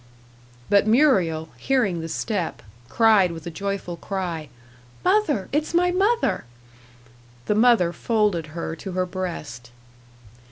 But Muriel, hearing the step, cried with a joyful cry, "Mother! it's my mother!" The mother folded her to her breast.